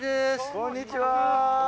こんにちは。